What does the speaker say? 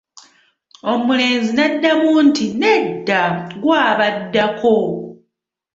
Omulenzi n'amuddamu nti, nedda gwe abaddako!